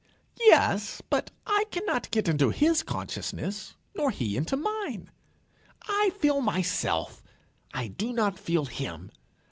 "Yes; but I cannot get into his consciousness, nor he into mine. I feel myself, I do not feel him.